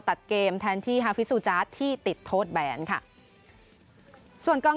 ตัดเกมแทนที่ฮาฟิซูจาร์ดที่ติดโทษแบนค่ะส่วนกอง